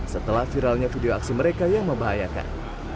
setelah viralnya video aksi mereka yang membahayakan